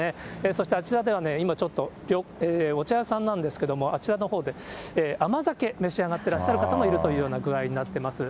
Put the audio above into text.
そしてあちらでは今、ちょっと、お茶屋さんなんですけれども、あちらのほうで甘酒、召し上がってらっしゃる方もいるというような具合になってます。